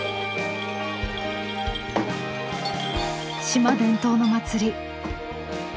島伝統の祭り